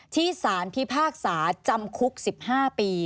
ที่สารพิพากษาจำคุก๑๕ปี